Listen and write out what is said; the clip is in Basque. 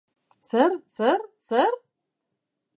Zer, zer, zer?